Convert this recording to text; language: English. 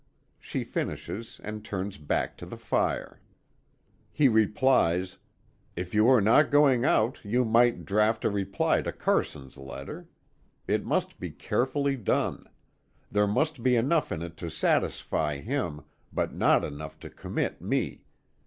She finishes, and turns back to the fire. He replies: "If you are not going out, you might draft a reply to Carson's letter. It must be carefully done. There must be enough in it to satisfy him, but not enough to commit me.